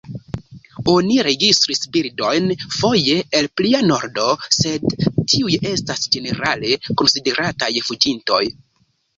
Oni registris birdojn foje el plia nordo, sed tiuj estas ĝenerale konsiderataj fuĝintoj.